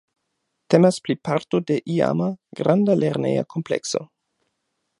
Temas pli parto de iama, granda lerneja komplekso.